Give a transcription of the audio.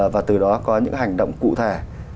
và từ đó có những hành động cụ thể